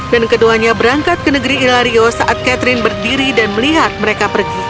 dan keduanya berangkat ke negeri ilario saat catherine berdiri dan melihat mereka pergi